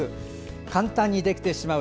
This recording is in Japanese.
簡単にできてしまう。